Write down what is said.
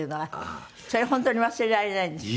それ本当に忘れられないんですって？